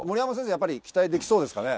やっぱり期待できそうですかね？